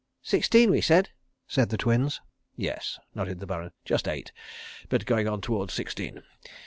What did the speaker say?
"Sixteen we said," said the Twins. "Yes," nodded the Baron. "Just eight, but going on towards sixteen.